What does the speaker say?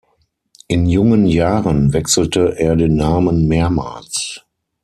In jungen Jahren wechselte er den Namen mehrmals.